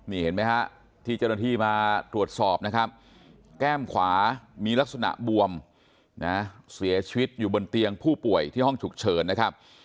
นี่เห็นไหมฮะที่เจ้าหน้าที่มาตรวจสอบนะครับแก้มขวามีลักษณะบวมนะเสียชีวิตอยู่บนเตียงผู้ป่วยที่ห้องฉุกเฉินนะครับ